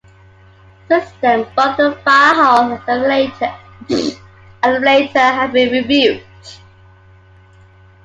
Since then both the firehall and elevator have been rebuilt.